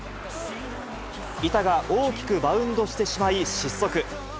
板が大きくバウンドしてしまい失速。